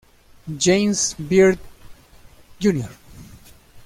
James Byrd Jr.